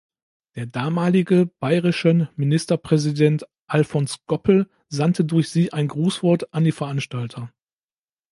Der damalige bayerischen Ministerpräsident Alfons Goppel sandte durch sie ein Grußwort an die Veranstalter.